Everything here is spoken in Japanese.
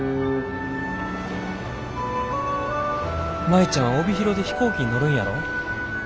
「舞ちゃんは帯広で飛行機に乗るんやろ？